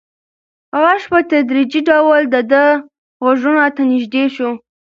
غږ په تدریجي ډول د ده غوږونو ته نږدې شو.